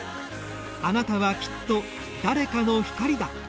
「あなたは、きっと、誰かの光だ。」